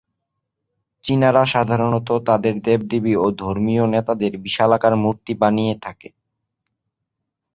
চীনারা সাধারণত তাদের দেবদেবী ও ধর্মীয় নেতাদের বিশালাকার মূর্তি বানিয়ে থাকে।